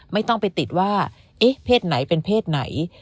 ไม่ต้องไปติดว่าเอ๊ะเพศไหนเป็นเพศไหน